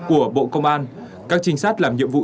của bộ công an các trinh sát làm nhiệm vụ